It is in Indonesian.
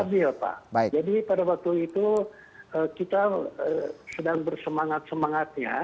jadi pada waktu itu kita sedang bersemangat semangatnya